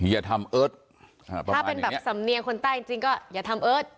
อ่าอย่าทำเอิดถ้าเป็นแบบสำเนียงคนใต้จริงจริงก็อย่าทำเอิด